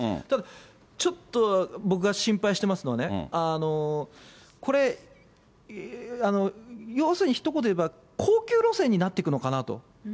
ただ、ちょっと僕が心配していますのはね、これ、要するにひと言で言えば、高級路線になっていくのかなと。